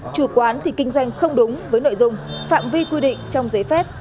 chủ quán thì kinh doanh không đúng với nội dung phạm vi quy định trong giấy phép